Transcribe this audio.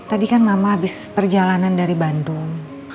tadi kan mama habis perjalanan dari bandung